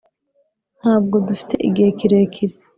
] ntabwo dufite igihe kirekire